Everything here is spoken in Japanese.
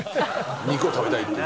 肉を食べたいっていう。